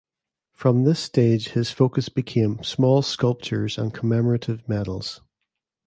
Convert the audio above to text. From this stage his focus became small sculptures and commemorative medals.